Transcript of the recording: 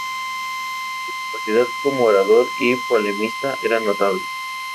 Su capacidad como orador y polemista eran notables.